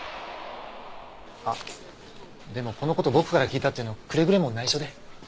あっでもこの事僕から聞いたっていうのくれぐれも内緒で。